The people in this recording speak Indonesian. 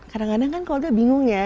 kadang kadang kan keluarga bingung ya